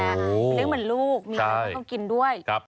เลี้ยงเหมือนลูกมีอะไรก็ต้องกินด้วย